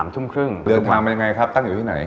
เดินไปเป็นยังไงตั้งอยู่อยู่ที่ไหน